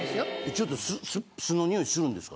ちょっと酢のニオイするんですか。